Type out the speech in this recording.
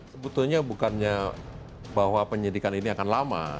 sebetulnya bukannya bahwa penyidikan ini akan lama